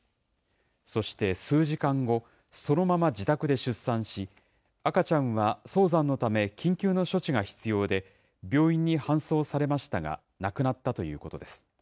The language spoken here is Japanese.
そして、数時間後、そのまま自宅で出産し、赤ちゃんは早産のため緊急の処置が必要で、病院に搬送されましたが、亡くなったということです。